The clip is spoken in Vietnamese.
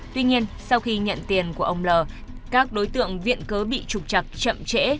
tuy nhiên sau khi nhận tiền của ông l các đối tượng viện cớ bị trục chặt chậm trễ